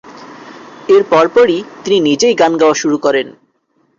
এর পরপরই তিনি নিজেই গান গাওয়া শুরু করেন।